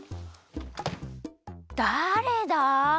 だれだ？